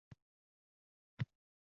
Shu savol muhim hozir biz uchun.